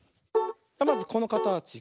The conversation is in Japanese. まずこのかたちから。